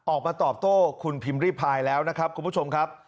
ออกมาตอบโต้คุณพิมพ์ริพายแล้วนะครับคุณผู้ชมครับ